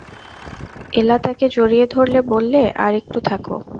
এলা তাকে জড়িয়ে ধরলে, বললে, আর-একটু থাকো।